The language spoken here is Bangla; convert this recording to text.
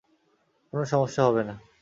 কোনো সমস্যা হবে না।